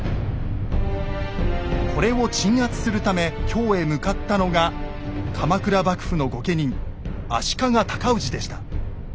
これを鎮圧するため京へ向かったのが鎌倉幕府の御家人足利高氏でした。